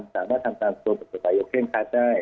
สามารถทำตามตัวบทกฎหมายอย่างเคร่งคัดได้